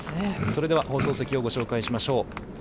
それでは放送席をご紹介しましょう。